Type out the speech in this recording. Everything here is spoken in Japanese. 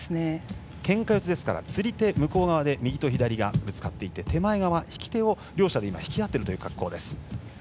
けんか四つですから釣り手、向こう側で右と左がぶつかっていて手前側の引き手を両者で引き合っています。